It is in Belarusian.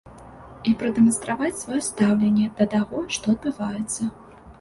І прадэманстраваць сваё стаўленне да таго, што адбываецца.